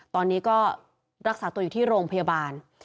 ตอนนี้ก็รักษาตัวอยู่ที่โรงพยาบาล